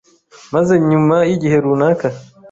maze nyuma y’igihe runaka,